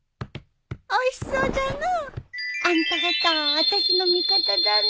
おいしそうじゃの。あんた方あたしの味方だね。